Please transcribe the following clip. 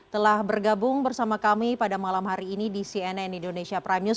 telah bergabung bersama kami pada malam hari ini di cnn indonesia prime news